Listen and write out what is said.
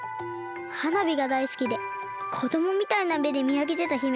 はなびがだいすきでこどもみたいなめでみあげてた姫。